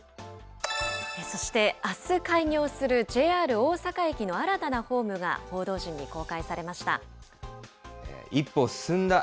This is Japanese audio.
そしてあす開業するＪＲ大阪駅の新たなホームが報道陣に公開されました。